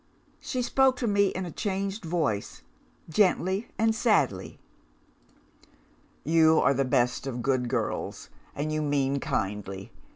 She spoke to me in a changed voice, gently and sadly. "You are the best of good girls, and you mean kindly.